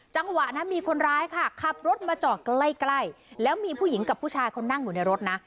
จังหวะนั้นมีคนร้ายค่ะขับรถมาจอดใกล้ใกล้แล้วมีผู้หญิงกับผู้ชายเขานั่งอยู่ในรถนะ